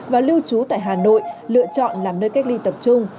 và lưu trú tại hà nội lựa chọn làm nơi cách ly tập trung